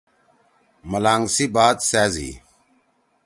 ملانگ سی بات سأز ہی۔